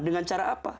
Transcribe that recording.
dengan cara apa